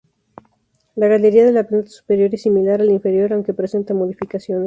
La galería de la planta superior es similar a la inferior aunque presenta modificaciones.